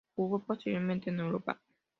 Jugó posteriormente en Europa.